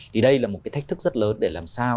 thì đây là một cái thách thức rất lớn để làm sao